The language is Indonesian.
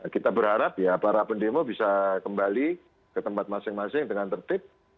kita berharap ya para pendemo bisa kembali ke tempat masing masing dengan tertib